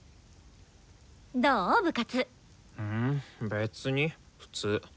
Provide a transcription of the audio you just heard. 別に普通。